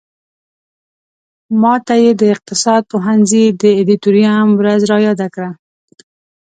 ماته یې د اقتصاد پوهنځي د ادیتوریم ورځ را یاده کړه.